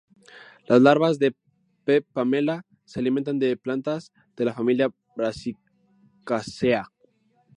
Las larvas de "P. pamela" se alimentan de plantas de la familia "Brassicaceae".